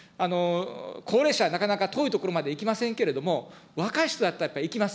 高齢者、なかなか遠い所まで行きませんけれども、若い人だったらやっぱり行きます。